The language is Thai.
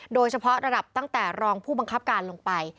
โดยเฉพาะระดับตั้งแต่รองผู้บังคับการลงไป